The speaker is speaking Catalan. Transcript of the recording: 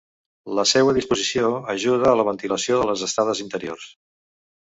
La seua disposició ajuda a la ventilació de les estades interiors.